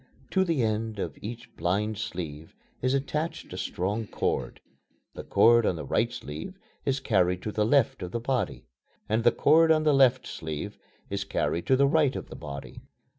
To the end of each blind sleeve is attached a strong cord. The cord on the right sleeve is carried to the left of the body, and the cord on the left sleeve is carried to the right of the body.